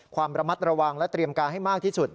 ความระมัดระวังและเตรียมการให้มากที่สุด